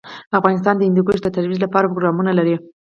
افغانستان د هندوکش د ترویج لپاره پروګرامونه لري.